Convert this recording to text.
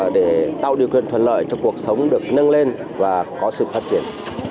để tạo điều kiện thuận lợi cho cuộc sống được nâng lên và có sự phát triển